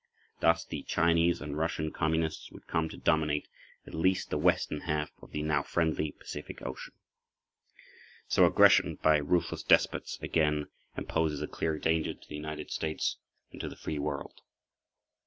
Thus the Chinese and Russian Communists would come to dominate at least the western half of the now friendly Pacific Ocean. So aggression by ruthless despots again imposes a clear danger to the United States and to the free world.